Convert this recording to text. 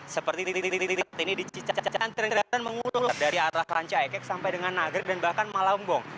seperti titik titik ini di cicalengka antrian antrian mengulur dari atas rancayek sampai dengan nagri dan bahkan malambong